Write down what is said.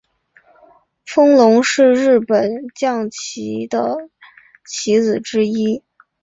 风龙是日本将棋的棋子之一。